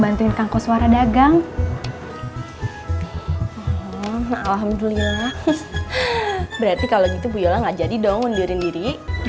bantuin kangkos waradagang alhamdulillah berarti kalau gitu bu yola nggak jadi dong undurin diri